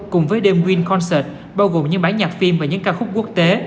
cùng với đêm queen concert bao gồm những bản nhạc phim và những ca khúc quốc tế